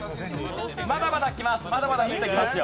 まだまだきます。